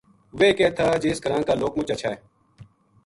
ویہ کہہ تھا جے اس گراں کا لوک مچ ہچھا